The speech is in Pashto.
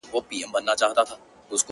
سترګي یې ډکي له فریاده په ژباړلو ارزي,